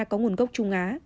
có nguồn gốc trung á